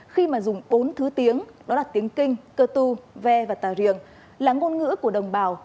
khi mà dùng bốn thứ tiếng đó là tiếng kinh cơ tu ve và tà riềng là ngôn ngữ của đồng bào